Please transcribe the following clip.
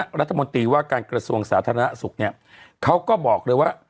ผู้บังท่านมติว่าการสวงสาธารณะสุคเนี่ยเขาก็บอกเลยว่า